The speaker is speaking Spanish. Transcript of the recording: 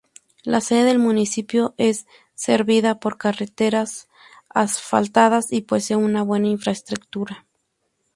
La sede del municipio es servida por carreteras asfaltadas y posee buena infraestructura.